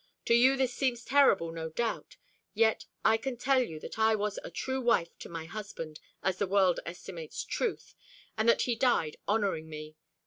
To you this seems terrible, no doubt. Yet I can tell you that I was a true wife to my husband, as the world estimates truth, and that he died honouring me.